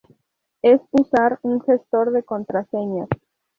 es usar un gestor de contraseñas